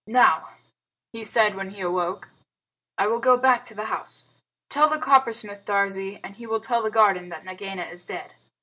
"Now," he said, when he awoke, "I will go back to the house. Tell the Coppersmith, Darzee, and he will tell the garden that Nagaina is dead."